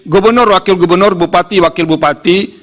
gubernur wakil gubernur bupati wakil bupati